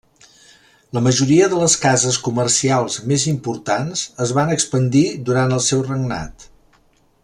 La majoria de les cases comercials més importants es van expandir durant el seu regnat.